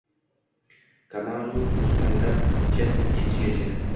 Kamaru Usmondan Jastin Getjigacha